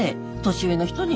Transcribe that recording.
年上の人に！